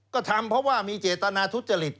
ก็ทำเพราะว่ามีเจตนาทุจริต